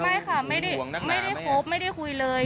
ไม่ค่ะไม่ได้คบไม่ได้คุยเลย